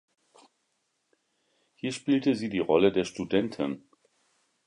Hier spielte sie die Rolle der „Studentin“.